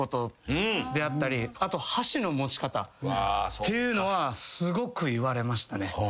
っていうのはすごく言われましたね。